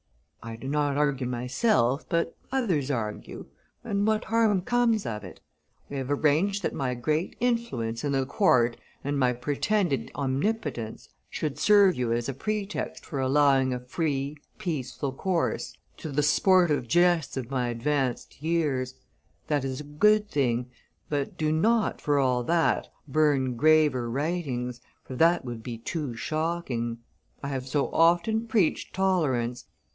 I do not argue myself, but others argue, and what harm comes of it? We have arranged that my great influence in the court and my pretended omnipotence should serve you as a pretext for allowing a free, peaceful course to the sportive jests of my advanced years; that is a good thing, but do not, for all that, burn graver writings, for that would be too shocking. I have so often preached tolerance!